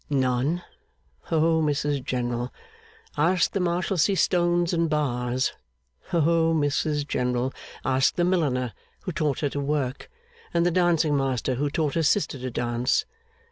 None? O Mrs General, ask the Marshalsea stones and bars. O Mrs General, ask the milliner who taught her to work, and the dancing master who taught her sister to dance.